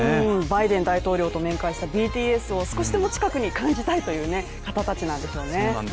バイデン大統領と面会したＢＴＳを少しでも近くに感じたいという方たちなんでしょうね